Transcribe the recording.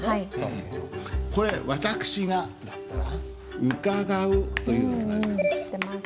これ「私が」だったら「伺う」というふうになります。